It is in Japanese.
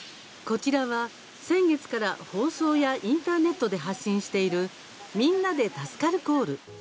こちらは、先月から放送やインターネットで発信している「みんなで助かるコール」。